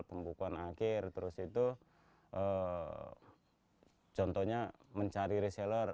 pembukuan akhir terus itu contohnya mencari reseller